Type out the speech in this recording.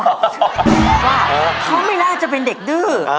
ว่าเขาไม่น่าจะเป็นเด็กดื้อ